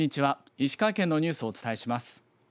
石川県のニュースをお伝えします。